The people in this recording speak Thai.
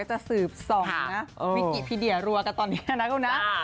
ปัจจุบันดีกว่า